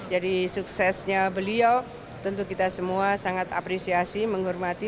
jadi suksesnya beliau tentu kita semua sangat apresiasi menghormati